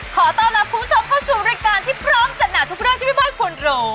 ขอต้อนรับคุณผู้ชมเข้าสู่รายการที่พร้อมจัดหนักทุกเรื่องที่แม่บ้านควรรู้